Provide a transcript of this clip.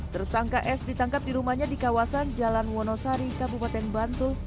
tersangka s ditangkap di rumahnya di kawasan jalan wonosari kabupaten bantul